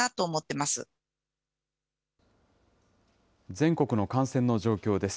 全国の感染の状況です。